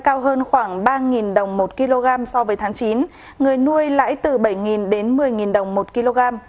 giá ca trang đang cao hơn khoảng ba đồng một kg so với tháng chín người nuôi lãi từ bảy một mươi đồng một kg